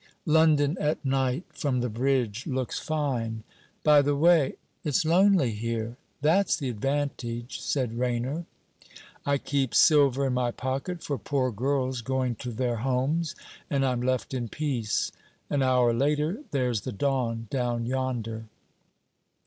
'London at night, from the bridge, looks fine. By the way...' 'It 's lonely here, that's the advantage,' said Rainer; 'I keep silver in my pocket for poor girls going to their homes, and I'm left in peace. An hour later, there's the dawn down yonder.'